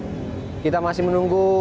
jadi kita masih menunggu